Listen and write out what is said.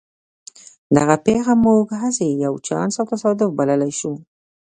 دغه پېښه موږ هسې یو چانس او تصادف بللای شو